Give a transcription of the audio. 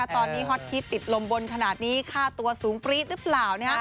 ตอนนี้ฮอตฮิตติดลมบนขนาดนี้ค่าตัวสูงปรี๊ดหรือเปล่า